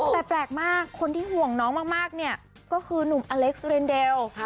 แต่แปลกมากคนที่ห่วงน้องมากเนี่ยก็คือหนุ่มอเล็กซ์เรนเดล